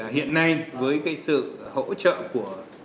hiện nay với sự hỗ trợ của ndc